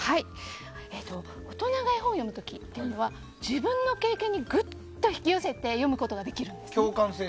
大人が絵本を読む時というのは自分の経験にぐっと引き寄せて読むことができるんですね。